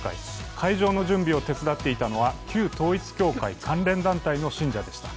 会場の準備を手伝っていたのは旧統一教会関連団体の信者でした。